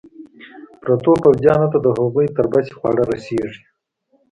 پرتو پوځیانو ته د هغوی تر بسې خواړه رسېږي.